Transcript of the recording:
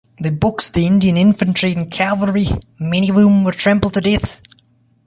They boxed the Indian infantry and cavalry, many of whom were trampled to death.